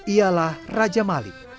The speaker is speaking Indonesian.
ialah raja malik